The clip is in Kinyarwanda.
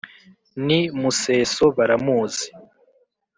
n'i museso baramuzi,